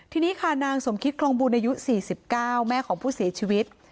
ทีนี้ค่ะนางสมคิตคลองบุญอายุ๔๙แม่ของผู้เสียชีวิต